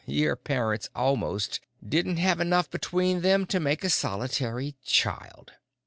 Your parents almost didn't have enough between them to make a solitary child.